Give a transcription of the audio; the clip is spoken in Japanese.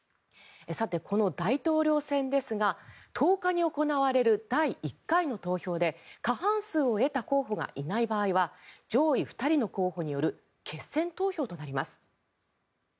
さて、この大統領選ですが１０日に行われる第１回の投票で過半数を得た候補がいない場合は上位２人の候補による決選投票となります。